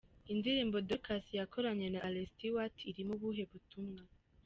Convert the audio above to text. Indirimbo Dorcas yakoranye na Iain Stewart irimo ubuhe butumwa ?.